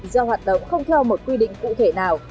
do hoạt động không theo một quy định cụ thể nào